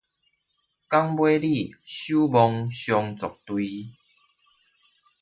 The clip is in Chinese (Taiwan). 港尾里守望相助隊